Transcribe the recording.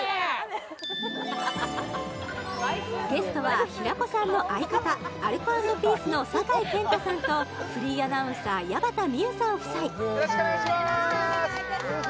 ゲストは平子さんの相方アルコ＆ピースの酒井健太さんとフリーアナウンサー矢端名結さん夫妻お願いします